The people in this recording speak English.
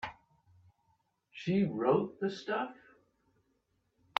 She wrote the stuff.